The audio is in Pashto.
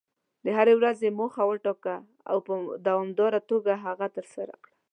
د هرې ورځې موخه وټاکه، او په دوامداره توګه هغه ترسره کړه.